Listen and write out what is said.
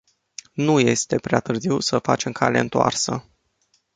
Nu este prea târziu să facem cale întoarsă.